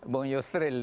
bung yusril itu